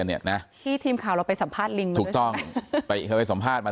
กันนะคะที่ทีมข่าวเราไปสัมภาษณ์ถูกต้องไปสัมภาษณ์มา